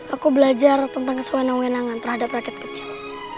aku belajar tentang kesewenangan terhadap rakyat kecil